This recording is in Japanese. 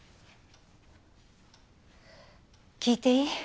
聞いていい？